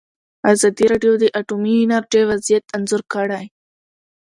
ازادي راډیو د اټومي انرژي وضعیت انځور کړی.